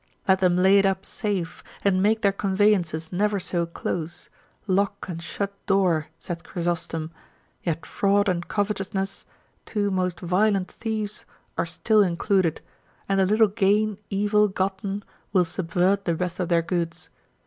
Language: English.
Let them lay it up safe, and make their conveyances never so close, lock and shut door, saith Chrysostom, yet fraud and covetousness, two most violent thieves are still included, and a little gain evil gotten will subvert the rest of their goods.